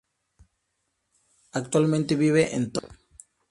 Actualmente vive en Tokio.